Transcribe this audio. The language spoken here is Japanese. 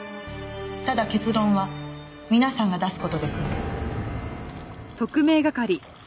ただ結論は皆さんが出す事ですので。